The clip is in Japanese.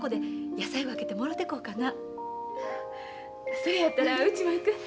それやったらうちも行く。